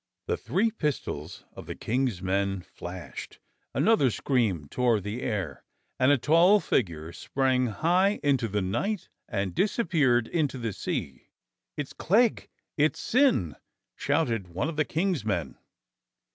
The three pistols of the King's men flashed, another scream tore the air, and a tall figure sprang high into the night and disappeared into the sea. "It's Clegg! It's Syn!" shouted one of the King's men.